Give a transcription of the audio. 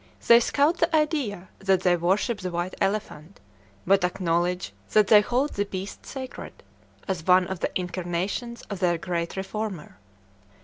They scout the idea that they worship the white elephant, but acknowledge that they hold the beast sacred, as one of the incarnations of their great reformer.